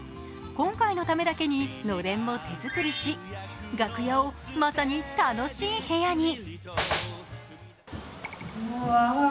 今回のためだけにのれんも手作りし楽屋を、まさに楽しい部屋に。